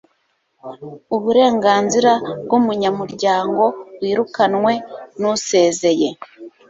uburenganzira bw'umunyamuryango wirukanwe n'usezeye